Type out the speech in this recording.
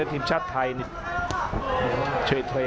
อัศวินาศาสตร์